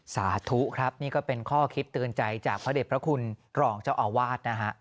สาธุครับนี่ก็เป็นข้อคิดเตือนใจจากพระเด็จพระคุณรองเจ้าอาวาสนะฮะ